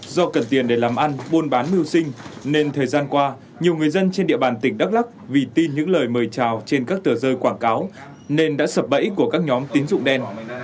do cần tiền để làm ăn buôn bán mưu sinh nên thời gian qua nhiều người dân trên địa bàn tỉnh đắk lắc vì tin những lời mời chào trên các tờ rơi quảng cáo nên đã sập bẫy của các nhóm tín dụng đen